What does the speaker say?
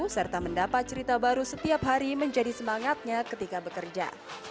serta mendapat cerita baru setiap hari menjadi semangatnya ketika bekerja